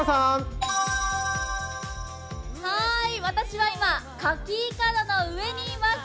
私は今かきいかだの上にいます。